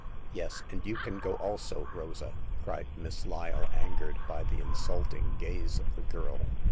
" Yes, and you can go also, Rosa," cried Miss Lyle, angered by the insulting gaze of the girl.